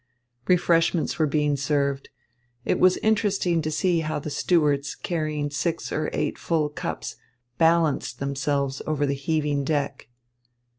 Refreshments were being served. It was interesting to see how the stewards, carrying six or eight full cups, balanced themselves over the heaving deck.